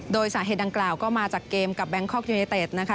โดยสาเหตุดังกล่าวก็มาจากเกมกับแบงคอกยูเนเต็ดนะคะ